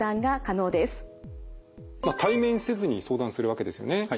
対面せずに相談するわけですよね。